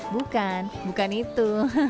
bukan bukan itu